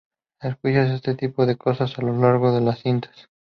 Escuchas este tipo de cosas a lo largo de las cintas".